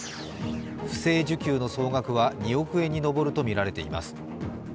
不正受給の総額は２億円に上るとみられています。